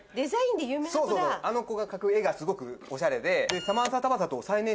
あの子が描く絵がすごくオシャレで。